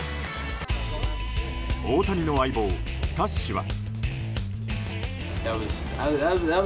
大谷の相棒スタッシは。